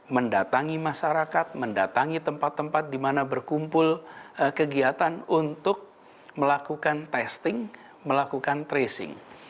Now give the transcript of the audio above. mendatangi masyarakat mendatangi tempat tempat di mana berkumpul kegiatan untuk melakukan testing melakukan tracing